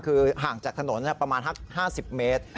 คือห่างจากถนนประมาณ๕๐เมตร